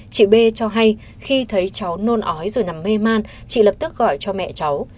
chị b cho hay khi thấy cháu nôn ói rồi nằm mê man chị lập tức gọi cho mẹ cháu